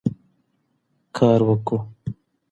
کار وکړو.